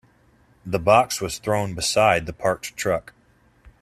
The box was thrown beside the parked truck.